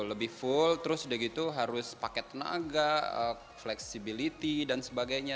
lebih full terus udah gitu harus pakai tenaga flexibility dan sebagainya